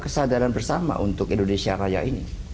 kesadaran bersama untuk indonesia raya ini